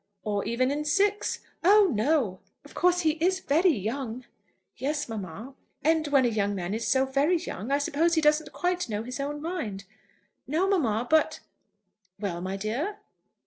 "Or even in six." "Oh, no." "Of course he is very young." "Yes, mamma." "And when a young man is so very young, I suppose he doesn't quite know his own mind." "No, mamma. But " "Well, my dear."